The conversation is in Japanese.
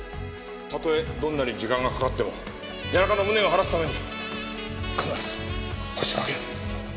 たとえどんなに時間がかかっても谷中の無念を晴らすために必ずホシを挙げる！